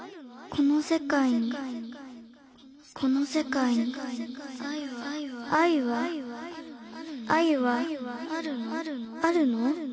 この世界にこの世界に愛は愛はあるの？